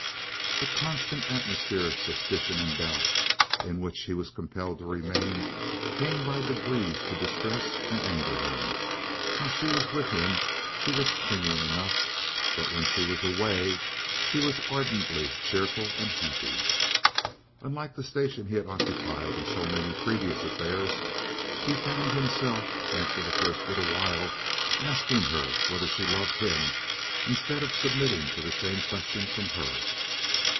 The constant atmosphere of suspicion and doubt in which he was compelled to remain, came by degrees to distress and anger him. While she was with him she was clinging enough, but when she was away she was ardently cheerful and happy. Unlike the station he had occupied in so many previous affairs, he found himself, after the first little while, asking her whether she loved him instead of submitting to the same question from her.